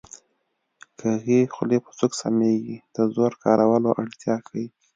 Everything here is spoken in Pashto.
کږې خولې په سوک سمېږي د زور کارولو اړتیا ښيي